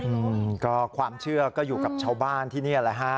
อืมก็ความเชื่อก็อยู่กับชาวบ้านที่นี่แหละฮะ